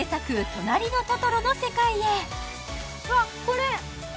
「となりのトトロ」の世界へうわこれ！